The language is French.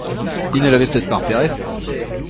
Ils ne l’avaient peut-être pas repéré.